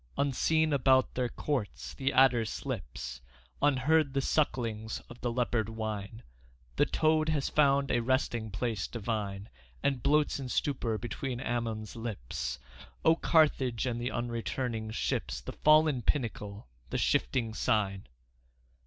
Unseen about their courts the adder slips, Unheard the sucklings of the leopard whine; The toad has found a resting place divine And bloats in stupor between Amnion's lips. O Carthage and the unreturning ships, The fallen pinnacle, the shifting Sign!